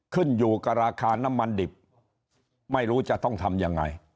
ขึ้นอยู่กับราคาน้ำมันดิบไม่รู้จะต้องทำยังไง